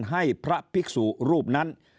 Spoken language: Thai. ให้พระภิกษุรูปนั้น